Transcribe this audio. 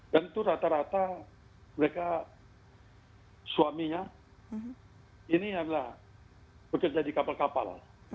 dan itu rata rata mereka suaminya ini adalah bekerja di kapal kapal